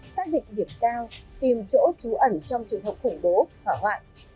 xác định điểm cao tìm chỗ trú ẩn trong trường hợp khủng bố hỏa hoạn